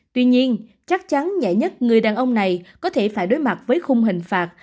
tuy nhiên chắc chắn nhẹ nhất người đàn ông này có thể phải đối mặt với khung hình phạt